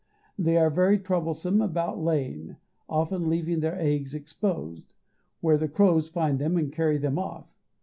They are very troublesome about laying, often leaving their eggs exposed, where the crows find them and carry them off.